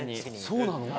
そうなの？